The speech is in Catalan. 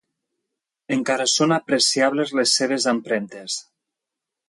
Encara són apreciables les seves empremtes.